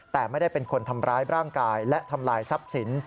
แต่ไม่ได้เป็นคนทำร้ายร่างกายและทำลายทรัพย์สิน